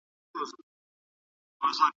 ایا ملي بڼوال کاغذي بادام پلوري؟